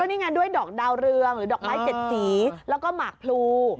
นี่ไงด้วยดอกดาวเรืองหรือดอกไม้๗สีแล้วก็หมากพลู